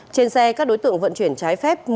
trên xe các đối tượng vận chuyển trái phép